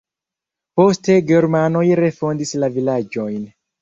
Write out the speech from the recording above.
Poste germanoj refondis la vilaĝojn.